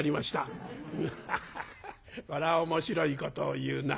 「ハハハハこりゃ面白いことを言うな。